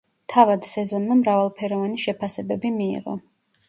თავად სეზონმა მრავალფეროვანი შეფასებები მიიღო.